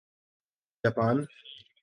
Japan